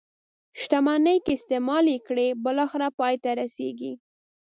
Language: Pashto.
شتمني که استعمال یې کړئ بالاخره پای ته رسيږي.